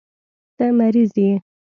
ته مريض يې.